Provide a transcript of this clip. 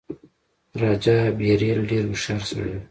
راجا بیربل ډېر هوښیار سړی وو.